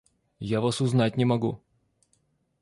Я вас узнать не могу.